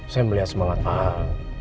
saya melihat semangat pak al